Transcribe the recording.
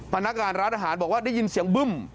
พนักงานร้านอาหารบอกว่าได้ยินเสียงบึ้ม